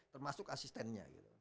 termasuk asistennya gitu